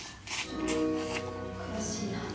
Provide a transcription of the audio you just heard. ちょっと悔しいなって。